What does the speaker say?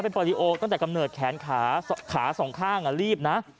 เป็นโปรลิโอตั้งแต่กำเนิดแขนขาขาสองข้างรีบนะ